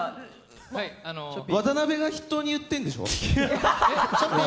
渡辺が筆頭に言ってるんでしょ。